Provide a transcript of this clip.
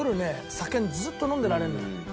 酒ずっと飲んでられるのよ。